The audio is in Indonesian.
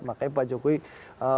makanya pak jokowi fokus untuk